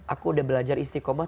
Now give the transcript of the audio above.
aku udah belajar istiqomah